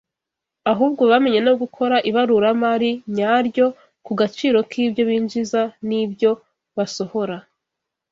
ahubwo bamenye no gukora ibaruramari nyaryo ku gaciro k’ibyo binjiza n’ibyo basohora